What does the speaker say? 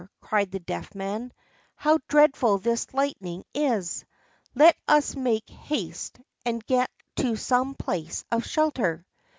cried the Deaf Man, "how dreadful this lightning is! Let us make haste and get to some place of shelter."